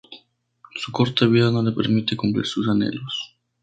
Su corta vida no le permite cumplir sus anhelos.